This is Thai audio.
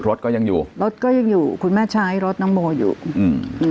รถก็ยังอยู่รถก็ยังอยู่คุณแม่ใช้รถน้องโมอยู่อืม